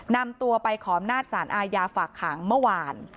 นำตัวไปขออำนาจสารอาญาฝากขังเมื่อวาน